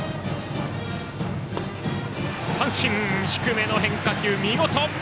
三振、低めの変化球、見事。